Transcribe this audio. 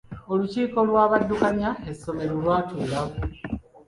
Olukiiko lw'abaddukanya essomero lwatuula.